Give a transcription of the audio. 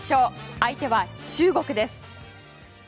相手は中国です。